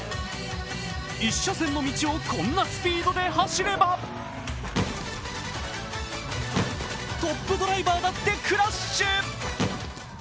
１車線の道をこんなスピードで走ればトクップドライバーだってクラッシュ。